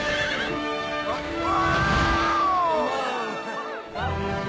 うわ！